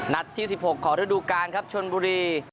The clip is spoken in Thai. นัดที่สิบหกขอเรื่องดูการครับชนบุรี